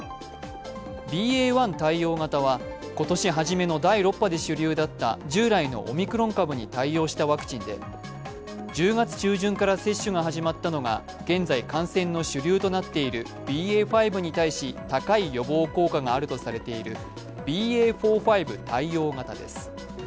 １対応型は、今年初めの第６波で主流だった従来のオミクロン株に対応したワクチンで、１０月中旬から接種が始まったのが現在感染の主流となっているＢＡ．５に対し高い予防効果があるとされているＢＡ．４‐５対応型です。